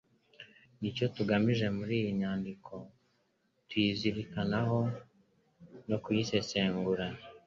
ni nacyo tugamije muri iyi nyandiko kuyizirikanaho no kuyisesengura,